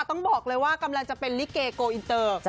ต้องบอกเลยว่ากำลังจะเป็นลิเกโกอินเตอร์